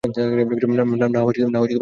না, আজ পারবে না।